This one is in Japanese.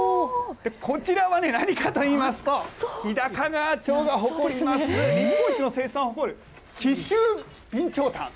こちらはね、何かといいますと、日高川町が誇ります日本一の生産を誇る、紀州備長炭。